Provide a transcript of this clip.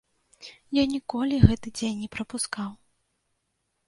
Я ніколі гэты дзень не прапускаў.